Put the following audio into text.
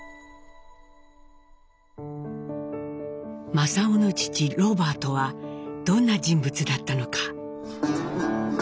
正雄の父ロバートはどんな人物だったのか。